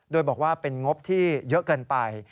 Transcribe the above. โดยบอกว่าเป็นงบที่เยอะเกินไป